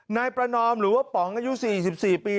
นายประนอมหรือว่าป๋องอายุ๔๔ปี